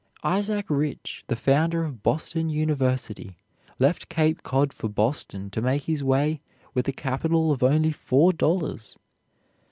Isaac Rich, the founder of Boston University, left Cape Cod for Boston to make his way with a capital of only four dollars.